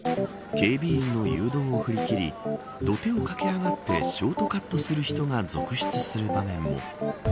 警備員の誘導を振り切り土手を駆け上がってショートカットする人が続出する場面も。